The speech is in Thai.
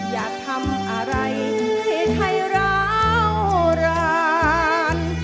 อยากทำอะไรให้ร้าวร้าน